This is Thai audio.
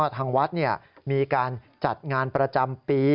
ทางวัดมีการจัดงานประจำปี